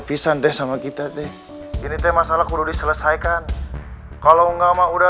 pisang teh sama kita teh ini teh masalah kubur diselesaikan kalau enggak mau udah